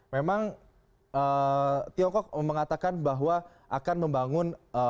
memang tiongkok mengatakan bahwa akan membangun